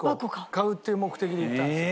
買うっていう目的で行ったんですよ。